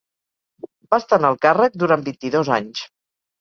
Va estar en el càrrec durant vint-i-dos anys.